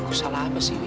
aku salah apa sih wim